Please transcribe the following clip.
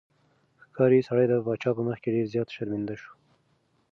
ښکاري سړی د پاچا په مخ کې ډېر زیات شرمنده شو.